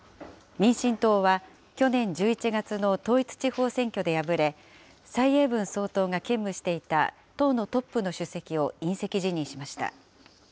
民進党は、去年１１月の統一地方選挙で敗れ、蔡英文総統が兼務していた党のトップの主席を引責辞任しました。